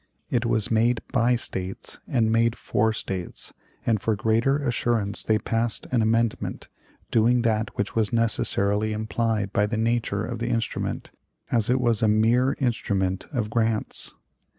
It was made by States and made for States; and for greater assurance they passed an amendment, doing that which was necessarily implied by the nature of the instrument, as it was a mere instrument of grants.